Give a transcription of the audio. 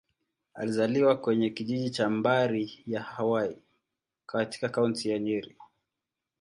Alizaliwa kwenye kijiji cha Mbari-ya-Hwai, katika Kaunti ya Nyeri.